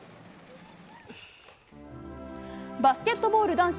バスケットボール男子。